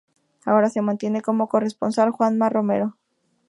Ahora se mantiene como corresponsal Juanma Romero.